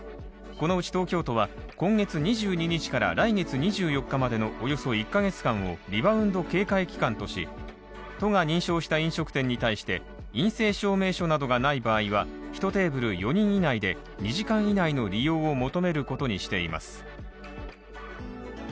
このうち東京都は今月２２日から来月２４日までのおよそ１カ月間をリバウンド警戒期間とし都が認証した飲食店に対して陰性証明書などがない場合は１テーブル４人以内で２時間以内の利用を求めることにしています。